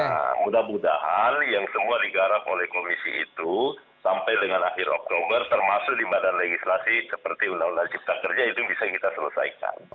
nah mudah mudahan yang semua digarap oleh komisi itu sampai dengan akhir oktober termasuk di badan legislasi seperti undang undang cipta kerja itu bisa kita selesaikan